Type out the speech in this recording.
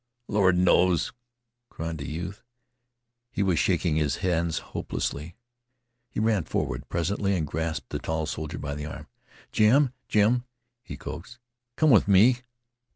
"Lord knows!" cried the youth. He was shaking his hands helplessly. He ran forward presently and grasped the tall soldier by the arm. "Jim! Jim!" he coaxed, "come with me."